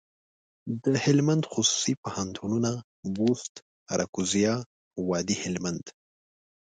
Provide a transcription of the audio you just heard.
دهلمند خصوصي پوهنتونونه، بُست، اراکوزیا او وادي هلمند.